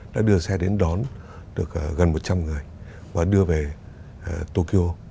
đã đưa xe đến đón được gần một trăm linh người và đưa về tokyo